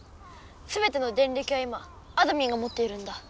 すべてのデンリキは今あどミンがもっているんだ。